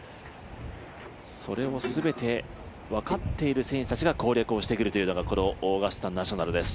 それを全て分かっている選手たちが攻略をしてくるというのがこのオーガスタ・ナショナルです。